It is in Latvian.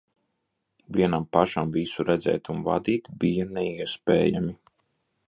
Vienam pašam visu redzēt un vadīt bija neiespējami.